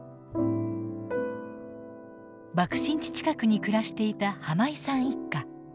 爆心地近くに暮らしていた井さん一家。